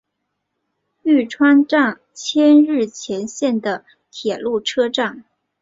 玉川站千日前线的铁路车站。